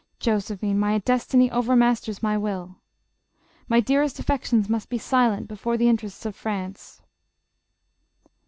Josephine, my destiny overmasters my will. My dear est affections must be silent before the interests of France.'